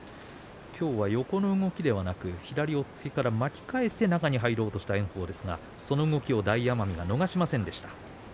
今日は横の動きではなく左の押っつけから巻き替えて中に入ろうとした炎鵬でしたがその動きを大奄美が逃しませんでした。